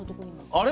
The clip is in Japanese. あれ？